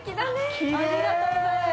ありがとうございます。